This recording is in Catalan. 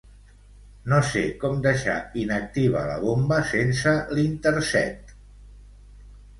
No sé com deixar inactiva la bomba sense l'Intersect.